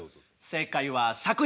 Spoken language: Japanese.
正解は作品。